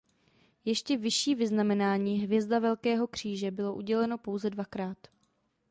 Ještě vyšší vyznamenání Hvězda Velkého kříže bylo uděleno pouze dvakrát.